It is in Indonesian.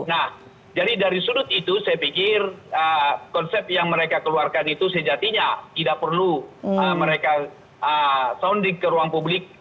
nah jadi dari sudut itu saya pikir konsep yang mereka keluarkan itu sejatinya tidak perlu mereka sounding ke ruang publik